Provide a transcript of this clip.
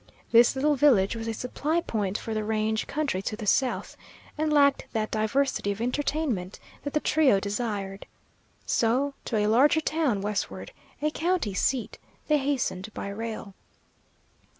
This little village was a supply point for the range country to the south, and lacked that diversity of entertainment that the trio desired. So to a larger town westward, a county seat, they hastened by rail.